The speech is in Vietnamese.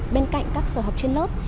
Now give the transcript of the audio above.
bên cạnh các sở học trên lớp